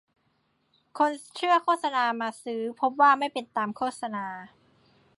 คนเชื่อโฆษณามาซื้อ พบว่าไม่เป็นตามโฆษณา